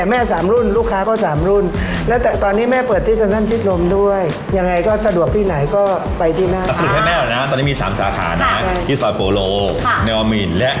วันนี้ก็ขอบคุณแม่มากนะครับ